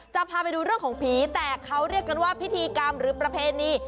จะพาไปดูเรื่องของผีแต่เขาเรียกกันว่าพิธีกรรมหรือประเพณี